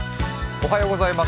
おはようございます。